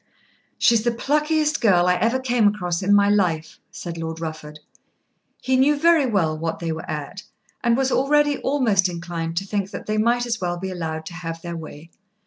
"She is the pluckiest girl I ever came across in my life," said Lord Rufford. He knew very well what they were at, and was already almost inclined to think that they might as well be allowed to have their way.